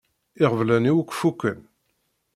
Iɣeblan-iw akk fukken.